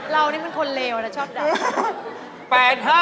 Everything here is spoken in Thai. เรานี่มันคนเลวแน่ชอบดัง